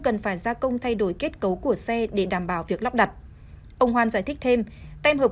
cần phải gia công thay đổi kết cấu của xe để đảm bảo việc lắp đặt ông hoan giải thích thêm tem hợp